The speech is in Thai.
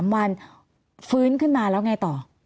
๓วันฟื้นขึ้นมาแล้วไงต่อ